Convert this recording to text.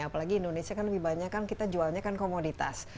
apalagi indonesia kan lebih banyak kan kita jualnya kan komoditas